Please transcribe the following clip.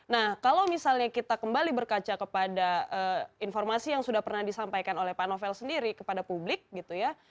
nah kalau misalnya kita kembali berkaca kepada informasi yang sudah pernah disampaikan oleh pak novel sendiri kepada publik gitu ya